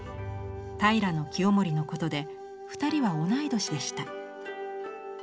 平清盛のことで２人は同い年でした。